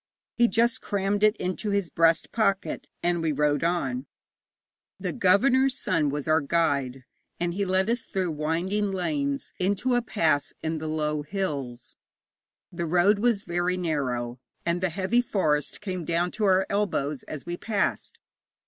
He just crammed it into his breast pocket, and we rode on. The governor's son was our guide, and he led us through winding lanes into a pass in the low hills. The road was very narrow, and the heavy forest came down to our elbows as we passed.